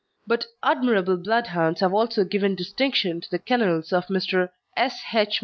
But admirable Bloodhounds have also given distinction to the kennels of Mr. S. H.